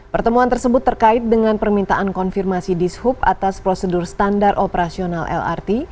pertemuan tersebut terkait dengan permintaan konfirmasi dishub atas prosedur standar operasional lrt